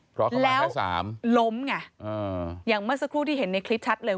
เพราะเขาล้มไงอย่างเมื่อสักครู่ที่เห็นในคลิปชัดเลย